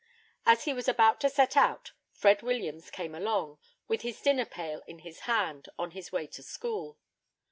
As he was about to set out, Fred Williams came along, with his dinner pail in his hand, on his way to school.